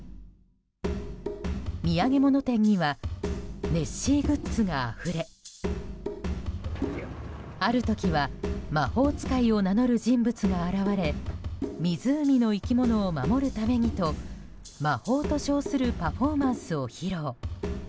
土産物店にはネッシーグッズがあふれある時は魔法使いを名乗る人物が現れ湖の生き物を守るためにと魔法と称するパフォーマンスを披露。